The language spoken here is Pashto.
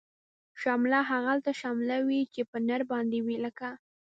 شمله هغلته شمله وی، چه په نرباندی وی لکه